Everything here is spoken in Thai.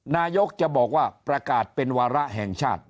นายกจะบอกว่าประกาศเป็นวาระแห่งชาติ